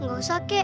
gak usah kek